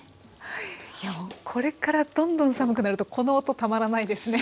いやこれからどんどん寒くなるとこの音たまらないですね。